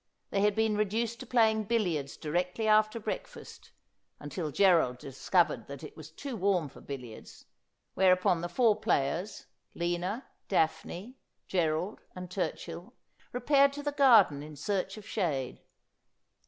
They had been re duced to playing billiards directly after breakfast, until Gerald discovered that it was too warm for billiards, whereupon the four players — Lina, Daphne, Gerald, and Turchill — repaired to the garden in search of shade.